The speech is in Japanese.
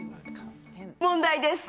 問題です。